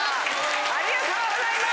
ありがとうございます。